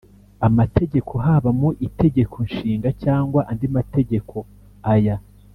amategeko haba mu Itegeko Nshinga cyangwa andi mategeko Aya